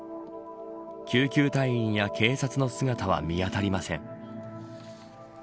救急隊員や警察の姿は見当たりません。